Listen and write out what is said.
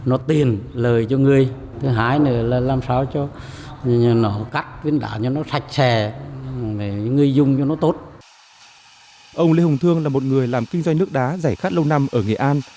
ông lê hùng thương là một người làm kinh doanh nước đá giải khát lâu năm ở nghệ an